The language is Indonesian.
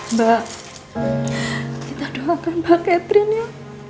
mbak kita doakan mbak catrin ya